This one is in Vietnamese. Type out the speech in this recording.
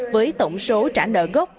với tổng số trả nợ gốc